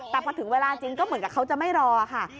แต่พอถึงเวลาจริงก็เหมือนกับเขาจะไม่รอค่ะ